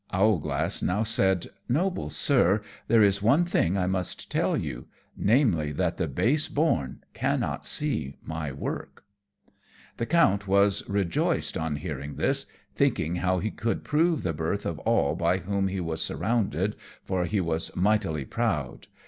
Owlglass now said, "Noble Sir, there is one thing I must tell you, namely, that the base born cannot see my work." [Illustration: Owlglass shows his Picture to the Count.] The Count was rejoiced on hearing this, thinking how he could prove the birth of all by whom he was surrounded, for he was mightily proud.